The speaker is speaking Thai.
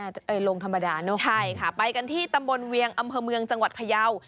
เดี๋ยวไปฟังกันไปกันที่ตำบลเวียงอำเภอเมืองจังหวัดพยาว